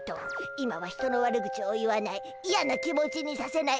今は人の悪口を言わないいやな気持ちにさせない。